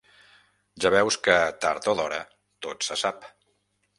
Ja veus que, tard o d'hora, tot se sap.